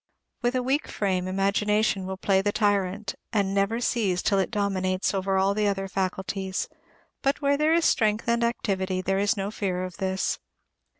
With a weak frame, imagination will play the tyrant, and never cease till it dominates over all the other faculties; but where there is strength and activity, there is no fear of this.